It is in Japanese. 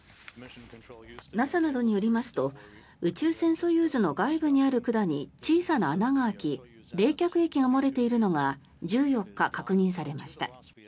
ＮＡＳＡなどによりますと宇宙船ソユーズの外部にある管に小さな穴が開き冷却液が漏れているのが１４日、確認されました。